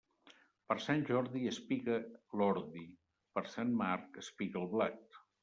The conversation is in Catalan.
Per Sant Jordi espiga l'ordi, per Sant Marc espiga el blat.